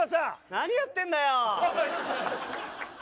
何やってんだよ！